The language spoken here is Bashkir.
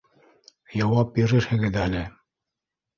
Яуап бирерһегеҙ әле